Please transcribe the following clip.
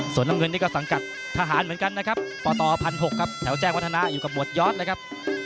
ส่วนน้ำเงินนี่ก็สังกัดทหารเหมือนกันนะครับปต๑๖๐๐ครับแถวแจ้งวัฒนาอยู่กับหวดยอดเลยครับ